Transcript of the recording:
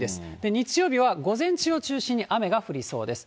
日曜日は午前中を中心に雨が降りそうです。